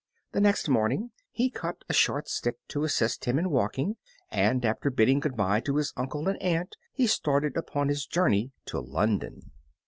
The next morning he cut a short stick to assist him in walking, and after bidding good bye to his uncle and aunt he started upon his journey to London.